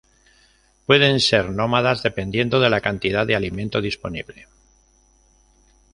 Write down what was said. Pueden ser nómadas, dependiendo de la cantidad de alimento disponible.